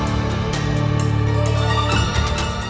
yang menjaga kekuasaan